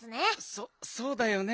そそうだよね。